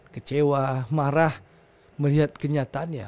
kecewa marah melihat kenyataannya